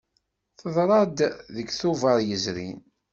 Teḍra-d deg Tubeṛ yezrin.